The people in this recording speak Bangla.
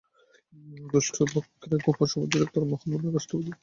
দুই পক্ষের গোপন সম্মতিতে তাঁরা মহামান্য রাষ্ট্রপতির একটি পদেক্ষপ আহ্বান করবেন।